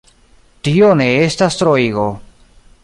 Tio ne estas troigo.